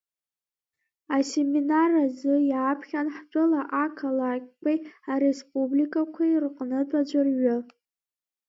Асеминар азы иааԥхьан ҳтәыла ақалақьқәеи ареспубликақәеи рҟнытә аӡәырҩы.